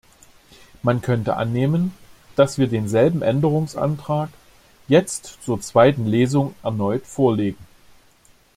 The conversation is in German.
Man könnte annehmen, dass wir denselben Änderungsantrag jetzt zur zweiten Lesung erneut vorlegen.